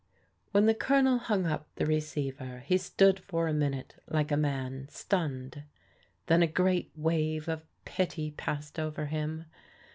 When the Colonel hung up the receiver, he stood for a minute like a man stunned. Then a great wave of pity passed over him.